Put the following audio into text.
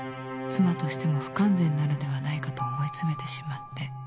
「妻としても不完全なのではないかと思い詰めてしまって」